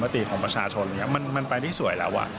ความธรรมติของประชาชนมันไปได้สวยแล้ว